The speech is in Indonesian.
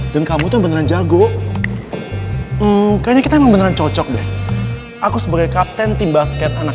dan kamu tuh beneran jago kayaknya kita beneran cocok deh aku sebagai kapten tim basket anak